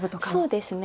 そうですね。